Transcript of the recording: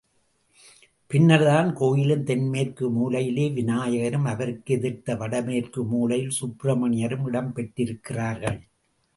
பின்னர்தான் கோயிலின் தென்மேற்கு மூலையிலே விநாயகரும் அவருக்கு எதிர்த்த வடமேற்கு மூலையில் சுப்பிரமணியரும் இடம் பெற்றிருக்கிறார்கள்.